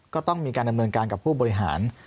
ก็ต้องมีการดำเนินการกับผู้บริหาร